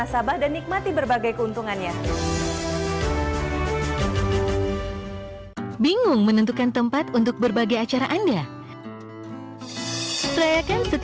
apakah mengandungan millionuli nong market